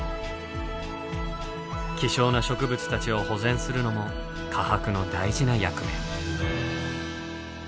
希少な植物たちを保全するのも科博の大事な役目。